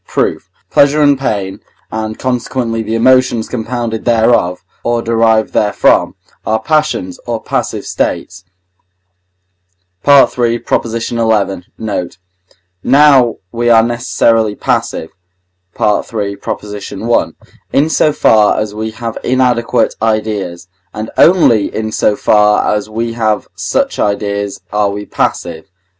Proof. Pleasure and pain, and consequently the emotions compounded thereof, or derived therefrom, are passions, or passive states (III. xi. note); now we are necessarily passive (III. i.), in so far as we have inadequate ideas; and only in so far as we have such ideas are we passive (III.